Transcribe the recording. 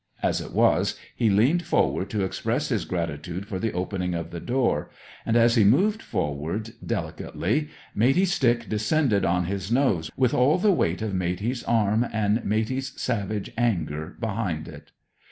As it was, he leaned forward to express his gratitude for the opening of the door. And as he moved forward, delicately, Matey's stick descended on his nose, with all the weight of Matey's arm and Matey's savage anger behind it.